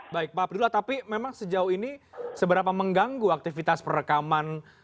baik pak abdullah tapi memang sejauh ini seberapa mengganggu aktivitas perekaman